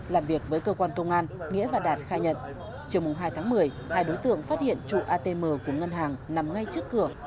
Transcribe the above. làm việc với cơ quan công an nghĩa và đạt khai nhận chiều hai tháng một mươi hai đối tượng phát hiện trụ atm của ngân hàng nằm ngay trước cửa